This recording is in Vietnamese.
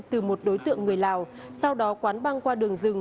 từ một đối tượng người lào sau đó quán băng qua đường rừng